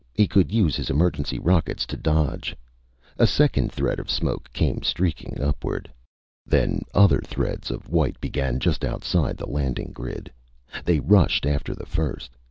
He could use his emergency rockets to dodge. A second thread of smoke came streaking upward. Then other threads of white began just outside the landing grid. They rushed after the first.